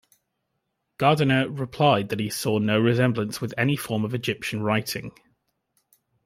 Gardiner replied that he saw no resemblance with any form of Egyptian writing.